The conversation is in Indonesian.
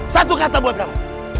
satu kata buat kamu